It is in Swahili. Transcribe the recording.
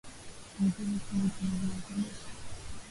ongeza chumvi kwenye viazi lishe